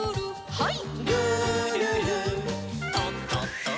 はい。